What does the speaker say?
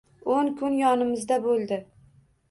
O`n kun yonimizda bo`ldi